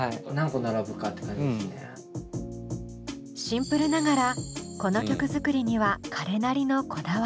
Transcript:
シンプルながらこの曲作りには彼なりのこだわりも。